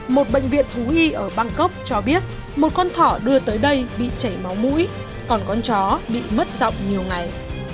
một bệnh viện thú y ở băng cốc cho biết một con thỏ đưa tới đây bị chảy máu mũi còn con chó bị mất rộng nhiều ngày